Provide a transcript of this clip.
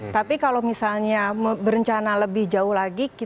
tapi kalau misalnya berencana lebih jauh lagi